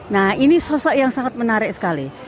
nah ini sosok yang sangat menarik sekali